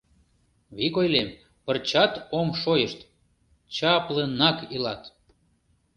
Вик ойлем, пырчат ом шойышт — чаплынак илат.